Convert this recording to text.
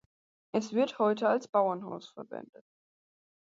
Es wird heute als Bauernhaus verwendet.